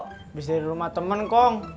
habis dari rumah temen kong